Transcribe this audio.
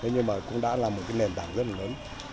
nhưng mà cũng đã là một cái nền tảng rất là lớn